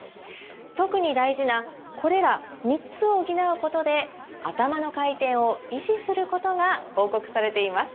特に大事なこれら３つを補うことでアタマの回転を維持することが報告されています